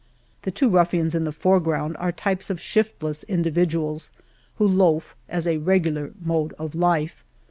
The two ruffians in the foreground are types of shiftless individuals who loaf as a regular mode of life.